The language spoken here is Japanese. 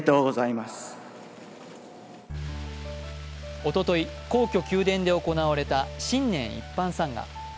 おととい、皇居・宮殿で行われた新年一般参賀。